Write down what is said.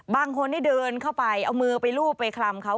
บางคนนี่เดินเข้าไปเอามือไปรูปไปคลำเขา